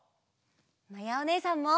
まやおねえさんも！